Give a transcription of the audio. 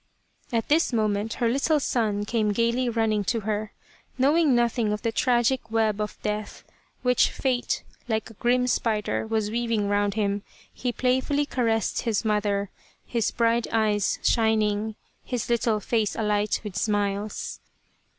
At this moment her little son came gaily running to her. Knowing nothing of the tragic web of death, which Fate, like a grim spider, was weaving round him, he playfully caressed his mother, his bright eyes shining, his little face alight with smiles.